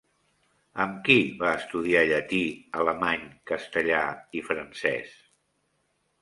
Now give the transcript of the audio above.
Amb qui va estudiar llatí, alemany, castellà i francès?